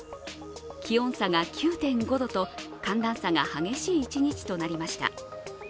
気温差が９．５度と寒暖差が激しい一日となりました。